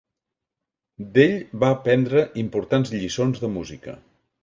D'ell va aprendre importants lliçons de música.